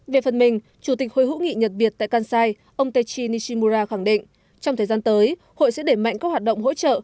về phần mình chủ tịch hội hữu nghị nhật việt tại kansai ông techi nishimura khẳng định trong thời gian tới hội sẽ để mạnh các hoạt động hỗ trợ